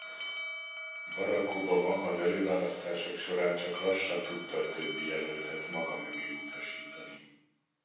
Barack Obama az előválasztások során csak lassan tudta a többi jelöltet maga mögé utasítani.